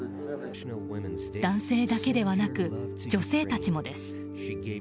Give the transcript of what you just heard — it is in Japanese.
男性だけではなく女性たちもです。